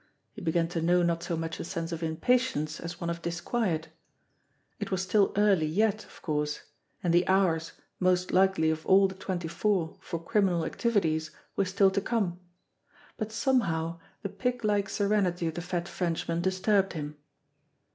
He began to know not so much a sense of impatience as one of disquiet. It was still early yet, of course, and the hours, most likely of all the twenty four for criminal activities, were still to come, but somehow the pig like serenity of the fat Frenchman disturbed him.